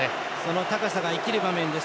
高さが生きる場面です。